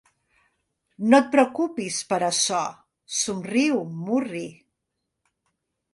No et preocupis per açò —somriu, murri.